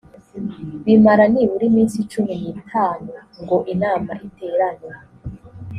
bimara nibura iminsi cumi n’itanu ngo inama iterane